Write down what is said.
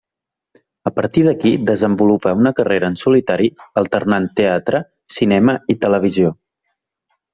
A partir d'aquí, desenvolupa una carrera en solitari alternant teatre, cinema i televisió.